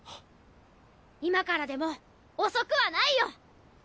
今からでも遅くはないよ！